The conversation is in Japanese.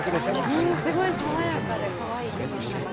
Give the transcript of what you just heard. うんすごい爽やかでかわいい曲ですね。